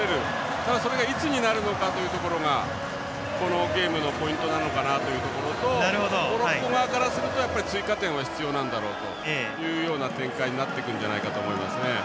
ただ、それがいつになるのかというところがこのゲームのポイントなのかなというところとモロッコ側からすると、追加点は必要なんだろうという展開になっていくんじゃないかと思います。